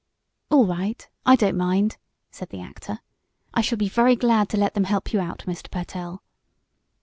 "All right, I don't mind," said the actor. "I shall be very glad to let them help you out, Mr. Pertell."